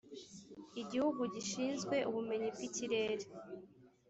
igihugu gishinzwe ubumenyi bw’ ikirere.